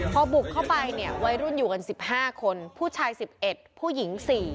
พอบุกเข้าไปเนี่ยวัยรุ่นอยู่กัน๑๕คนผู้ชาย๑๑ผู้หญิง๔